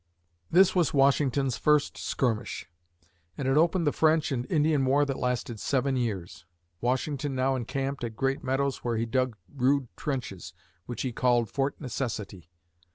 This was Washington's first skirmish and it opened the French and Indian War that lasted seven years. Washington now encamped at Great Meadows where he dug rude trenches, which he called Fort Necessity.